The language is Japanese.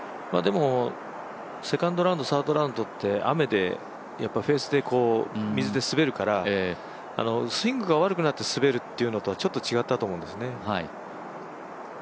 セカンドラウンド、サードラウンドって、雨でやっぱりフェースで水で滑るからスイングが悪くなって滑るというのとはちょっと違ったと思うんですよね。